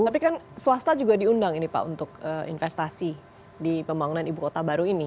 tapi kan swasta juga diundang ini pak untuk investasi di pembangunan ibu kota baru ini